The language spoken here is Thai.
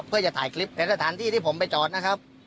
เพื่อจะถ่ายคลิปเป็นสถานที่ที่ผมไปจอดนะครับ